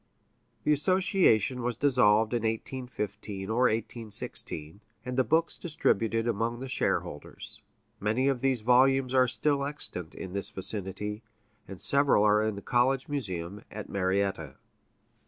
The association was dissolved in 1815 or 1816, and the books distributed among the shareholders; many of these volumes are still extant in this vicinity, and several are in the college museum at Marietta.